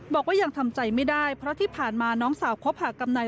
บอกว่ายังทำใจไม่ได้เพราะที่ผ่านมาน้องสาวคบหากำนัน